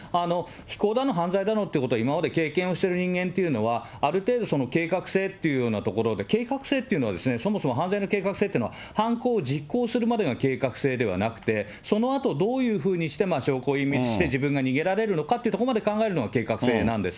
非行だの犯罪だのっていうことは今まで経験をしている人間というのは、ある程度、計画性っていうようなところで、計画性っていうのはですね、そもそも犯罪の計画性っていうのは、犯行を実行するまでが計画性ではなくて、そのあとどういうふうにして証拠隠滅して、自分が逃げられるのかってところまで考えるのが計画性なんです。